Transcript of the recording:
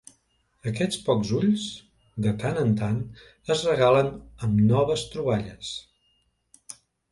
Aquests pocs ulls, de tant en tant, es regalen amb noves troballes.